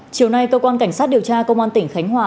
chiều nay cơ quan cảnh sát điều tra công an tỉnh khánh hòa